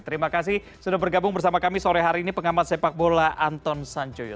terima kasih sudah bergabung bersama kami sore hari ini pengamat sepak bola anton sanjoyo